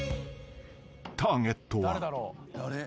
［ターゲットは］